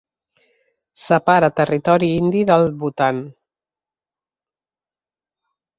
Separa territori indi del Bhutan.